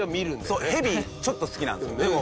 小峠：ヘビちょっと好きなんですよ。